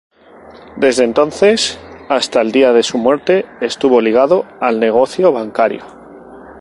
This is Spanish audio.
Desde entonces hasta el día de su muerte, estuvo ligado al negocio bancario.